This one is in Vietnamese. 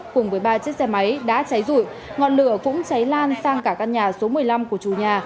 cùng với ba chiếc xe máy đã cháy rụi ngọn lửa cũng cháy lan sang cả căn nhà số một mươi năm của chủ nhà